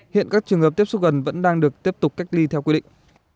hiện các trường hợp tiếp xúc gần vẫn đang được tiếp tục cách ly theo quy định